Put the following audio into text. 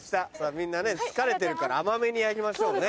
みんなね疲れてるから甘めにやりましょうね。